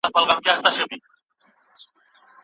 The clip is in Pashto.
د بې نورمۍ حالت بايد ختم سي.